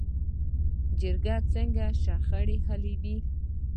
جرګه څنګه شخړې حلوي؟